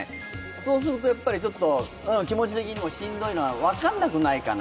そうすると気持ち的にもしんどいのは分からなくないかな。